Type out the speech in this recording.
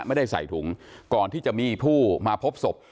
ไม่ได้ใส่ถุงก่อนที่จะมีผู้มาพบศพ